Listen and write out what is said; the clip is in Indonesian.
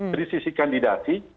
dari sisi kandidasi